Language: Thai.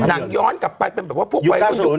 หนังย้อนกลับไปเป็นแบบว่าพวกวัยคุณยุค๙๐